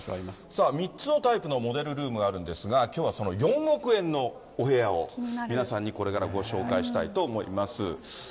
さあ、３つのタイプのモデルルームがあるんですが、きょうは４億円のお部屋を、皆さんにこれからご紹介したいと思います。